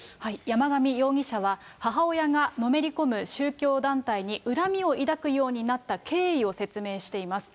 山上容疑者は、母親がのめり込む宗教団体に恨みを抱くようになった経緯を説明しています。